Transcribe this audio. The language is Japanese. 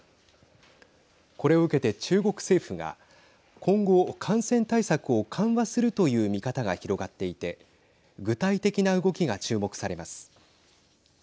これを受けて中国政府が今後、感染対策を緩和するという見方が広がっていて具体的な動きが注目されます。